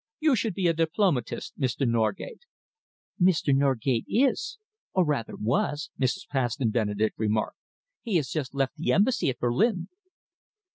You should be a diplomatist, Mr. Norgate." "Mr. Norgate is, or rather he was," Mrs. Paston Benedek remarked. "He has just left the Embassy at Berlin."